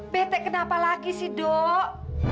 betek kenapa lagi sih dok